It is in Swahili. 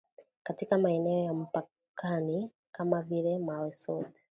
katika maeneo ya mpakani kama vile Mae Sot